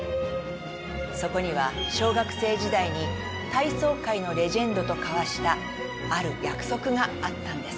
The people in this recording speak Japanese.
そこには小学生時代に体操界のレジェンドと交わしたある約束があったんです。